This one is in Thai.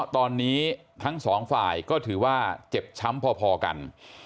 ตอนนี้ทั้งสองฝ่ายก็ถือว่าเจ็บช้ำพอกัน